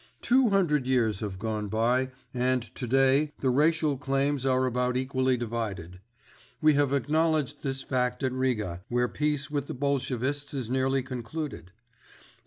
Two hundred years have gone by and today the racial claims are about equally divided. We have acknowledged this fact at Riga, where peace with the Bolshevists is nearly concluded.